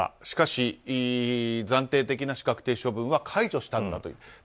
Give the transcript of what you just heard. しかし、暫定的な資格停止処分は解除したんだという。